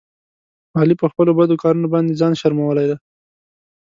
علي په خپلو بدو کارونو باندې ځان شرمولی دی.